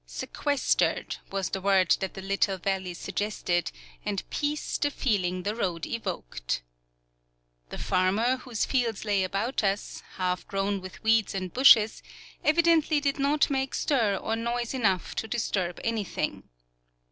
Sequestered was the word that the little valley suggested, and peace the feeling the road evoked. The farmer, whose fields lay about us, half grown with weeds and bushes, evidently did not make stir or noise enough to disturb anything.